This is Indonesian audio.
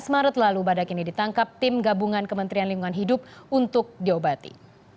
tujuh belas maret lalu badak ini ditangkap tim gabungan kementerian lingkungan hidup untuk diobati